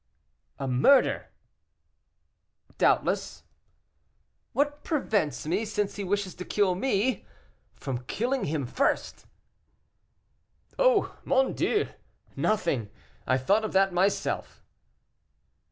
"A murder." "Doubtless." "What prevents me, since he wishes to kill me, from killing him first?" "Oh, mon Dieu! nothing; I thought of that myself."